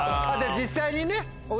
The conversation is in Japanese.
実際にね。